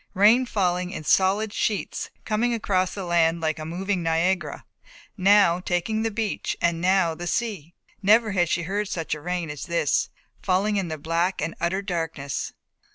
Rain falling in solid sheets, coming across the land like a moving Niagara, now taking the beach and now the sea. Never had she heard such rain as this, falling in the black and utter darkness.